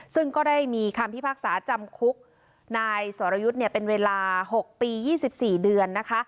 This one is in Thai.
ซึ่งก็ได้มีคำพิพากษาจำคุกนายสรยุทธ์เป็นเวลา๖ปี๒๔เดือนนะคะ